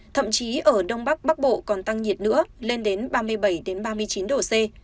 thậm chí ở đông bắc bắc bộ còn tăng nhiệt nữa lên đến ba mươi bảy ba mươi chín độ c